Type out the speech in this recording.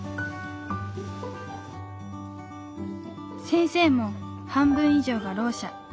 先生も半分以上がろう者。